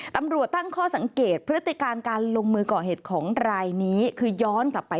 ตำรวจตั้งข้อสังเกตพฤติการการลงมือก่อเหตุของรายนี้คือย้อนกลับไป